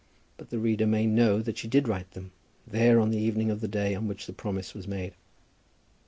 But the reader may know that she did write them there on the evening of the day on which the promise was made.